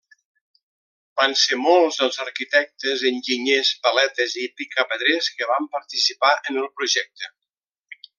Van ser molts els arquitectes, enginyers, paletes i picapedrers que van participar en el projecte.